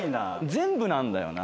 全部なんだよな。